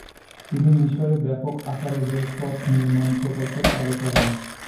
তিনি মিশরে ব্যাপক আকারে রেলপথ নির্মাণ প্রকল্প চালু করেন।